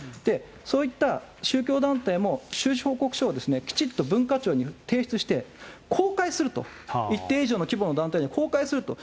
そういった宗教団体も、収支報告書をきちっと文化庁に提出して公開すると、一定以上の規模の団体は公開すると。